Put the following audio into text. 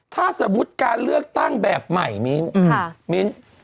ถ้าสมมุติการเลือกตั้งแบบใหม่มิ้นมิ้น